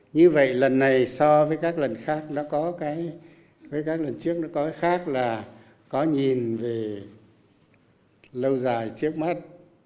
như vậy lần này so với các lần trước nó có cái khác là có nhìn về lâu dài trước mắt